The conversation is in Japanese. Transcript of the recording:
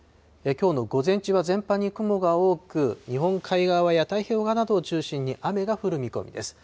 きょうの午前中は全般に雲が多く、日本海側や太平洋側などを中心に、雨が降る見込みです。